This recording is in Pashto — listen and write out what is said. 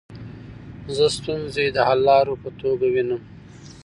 زه ستونزي د حللارو په توګه وینم.